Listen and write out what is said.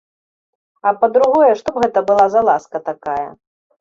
А, па-другое, што б гэта была за ласка такая?